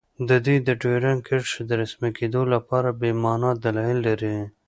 دوی د ډیورنډ کرښې د رسمي کیدو لپاره بې مانا دلایل لري